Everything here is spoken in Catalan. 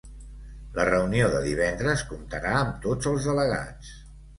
La reunió de divendres comptarà amb tots els delegats